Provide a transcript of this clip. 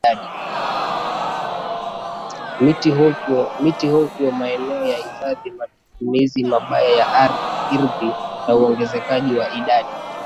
miti hovyo hasa maeneo ya hifadhi matumizi mabaya ya irdhi na uongezekaji wa idadi